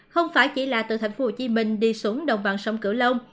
không phải chỉ là từ thành phố hồ chí minh đi xuống đồng bằng sông cửu lông